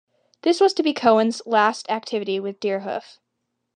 This was to be Cohen's last activity with Deerhoof.